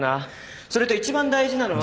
それと一番大事なのは。